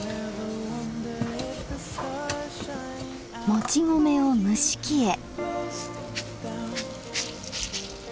もち米を蒸し器へ。